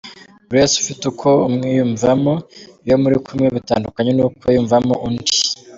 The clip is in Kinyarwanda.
Buri wese ufite uko umwiyumvamo iyo muri kumwe bitandukanye nuko wiyumvamo undi.